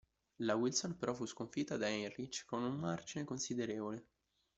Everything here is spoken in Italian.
La Wilson però fu sconfitta da Heinrich con un margine considerevole.